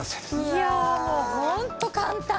いやもうホント簡単！